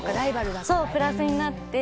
プラスになって。